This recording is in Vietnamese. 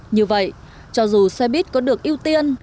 như vậy cho dù xe buýt có được ưu tiên